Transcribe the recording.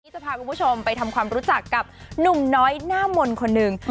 จะพาคุณผู้ชมไปทำความรู้จักกับหนุ่มน้อยหน้ามนต์คนหนึ่ง